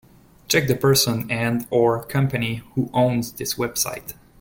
Check the person and/or company who owns this website.